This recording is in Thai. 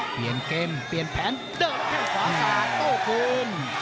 เปลี่ยนเกมเปลี่ยนแผนเดินแค่ขวาศาสตร์โต้คลุม